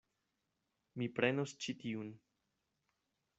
Mi prenos ĉi tiun.